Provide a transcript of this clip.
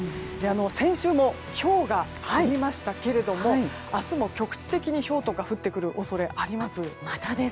先週、ひょうが降りましたけど明日も局地的にひょうなどが降ってくる恐れがあります。